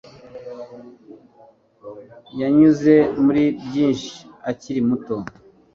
Yanyuze muri byinshi akiri muto